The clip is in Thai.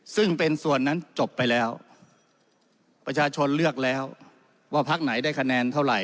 ซึ่งเป็นส่วนนั้นจบไปแล้วประชาชนเลือกแล้วว่าพักไหนได้คะแนนเท่าไห